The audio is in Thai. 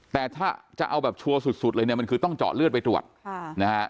แต่ถ้าจะเอาแบบชัวร์สุดเลยเนี่ยมันคือต้องเจาะเลือดไปตรวจค่ะนะฮะ